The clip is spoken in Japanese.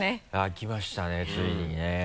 行きましたねついにね。